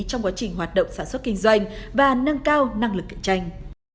trong quá trình hoạt động sản xuất kinh doanh và nâng cao năng lực cạnh tranh